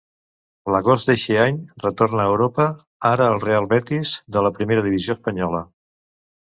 L'agost d'eixe any retorna a Europa, ara al Real Betis de la primera divisió espanyola.